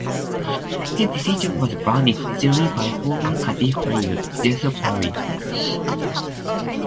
His decision was branded "silly" by former Cardiff player Jason Perry.